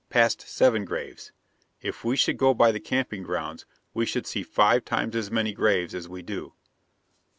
Passed seven graves. If we should go by the camping grounds, we should see five times as many graves as we do.